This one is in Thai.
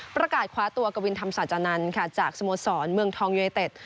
ประกาศคว้าตัวกวินธรรมสัจจานันท์จากสมสรรค์เมืองทองยุโยเตศ